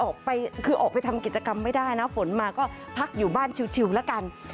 ออกไปคือออกไปทำกิจกรรมไม่ได้นะฝนมาก็พักอยู่บ้านชิวละกัน